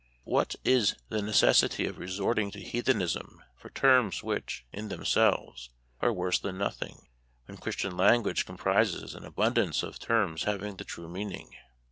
What is the neces sity of resorting to heathenism for terms which, in themselves, are worse than nothing, when Christian language comprises an abundance of terms having the true meaning